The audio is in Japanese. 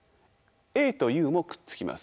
ＡとＵもくっつきます。